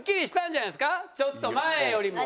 ちょっと前よりも。